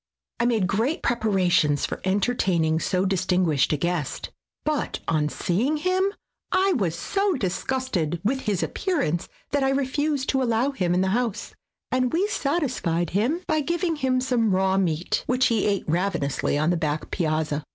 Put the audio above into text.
I made great preparations for entertaining so distin guished a guest, but on seeing him I was so disgusted with his appearance that I refused to allow him in the house, and we satisfied him by giving him some raw meat, which he ate ravenously on the back piazza.